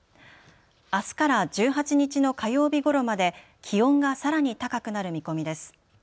あすから１８日の火曜日ごろまで気温がさらに高くなる見込みです。